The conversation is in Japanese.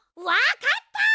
わかった！